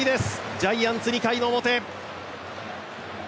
ジャイアンツ、２回の表。